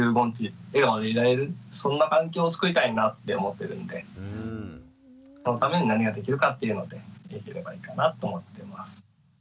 笑顔でいられるそんな環境をつくりたいなって思ってるんでそのために何ができるかっていうのでできればいいかなと思っています。